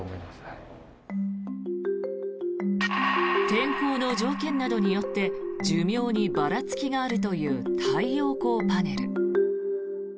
天候の条件などによって寿命にばらつきがあるという太陽光パネル。